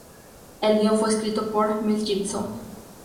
El guion fue escrito por Mel Gibson.